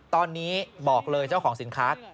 ตอนนี้บอกเลยเจ้าของสินค้า